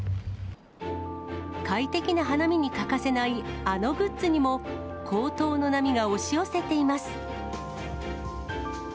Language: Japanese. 快適な花見に欠かせない、あのグッズにも高騰の波が押し寄せています。